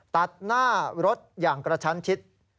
ตัดหน้ารถอย่างกระชั้นชิด